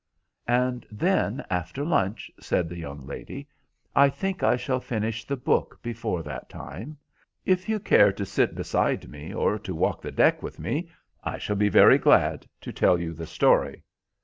"And then, after lunch," said the young lady, "I think I shall finish the book before that time;—if you care to sit beside me or to walk the deck with me, I shall be very glad to tell you the story."